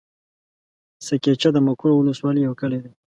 سه کېچه د مقر ولسوالي يو لوی کلی دی.